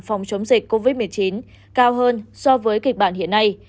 phòng chống dịch covid một mươi chín cao hơn so với kịch bản hiện nay